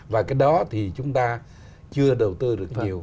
và cái đó thì chúng ta chưa đầu tư được nhiều